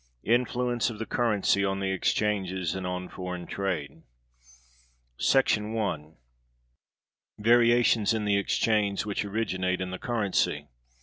Influence Of The Currency On The Exchanges And On Foreign Trade. § 1. Variations in the exchange, which originate in the Currency.